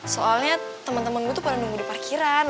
soalnya temen temen gue tuh pada nunggu di parkiran